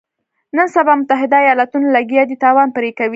نن سبا متحده ایالتونه لګیا دي تاوان پرې کوي.